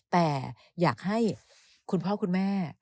แต่อยากให้คุณพ่อคุณแม่